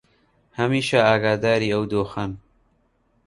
هەمیشە ئاگاداری ئەو دۆخەن